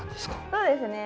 そうですね。